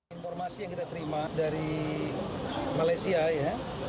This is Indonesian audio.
informasi yang kita terima dari malaysia ya